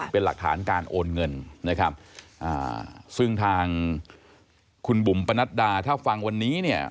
เป็นหลักฐานการโอนเงินนะครับอ่าซึ่งทางคุณบุ๋มปนัดดาถ้าฟังวันนี้เนี่ย